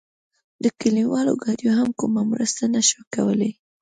د کلیوالو ګاډیو هم کومه مرسته نه شوه کولای.